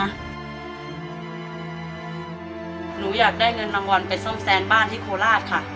หนูอยากได้เงินรางวัลไปซ่อมแซมบ้านที่โคราชค่ะ